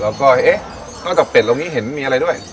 แล้วก็เอ๊ะนอกจากเป็ดตรงนี้เห็นมีอะไรด้วย